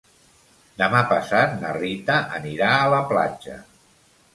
Demà passat na Rita anirà a la platja.